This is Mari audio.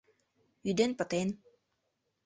Ӱден пытен.